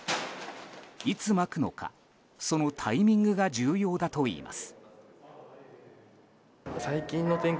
いつまくのか、そのタイミングが重要だといいます。